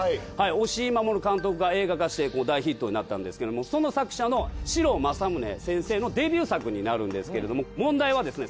押井守監督が映画化して大ヒットになったんですけどもその作者の士郎正宗先生のデビュー作になるんですけれども問題はですね